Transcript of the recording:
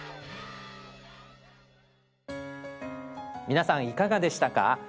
皆さんいかがでしたか？